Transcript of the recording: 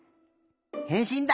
へんしんだ。